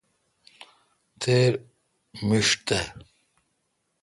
تھیر مݭ تھ۔